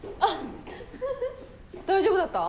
大丈夫だった？